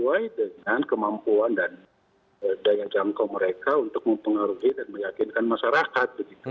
sesuai dengan kemampuan dan daya jangkau mereka untuk mempengaruhi dan meyakinkan masyarakat